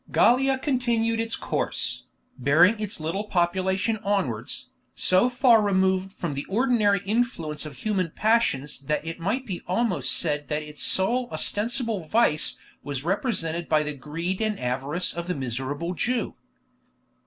Gallia continued its course, bearing its little population onwards, so far removed from the ordinary influence of human passions that it might almost be said that its sole ostensible vice was represented by the greed and avarice of the miserable Jew.